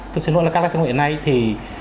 tôi xin lỗi là các lái xe grab hiện nay thì